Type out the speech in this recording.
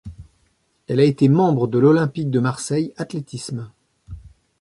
Elle a été membre de l'Olympique de Marseille Athlétisme.